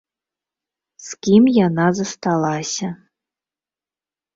З кім яна засталася.